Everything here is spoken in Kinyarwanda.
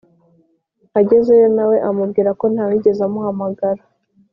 agezeyo nawe amubwirako ntawigeze amuhamagara.